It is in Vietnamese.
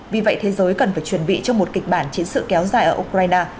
vì vậy thế giới cần phải chuẩn bị cho một kịch bản chiến sự kéo dài ở ukraine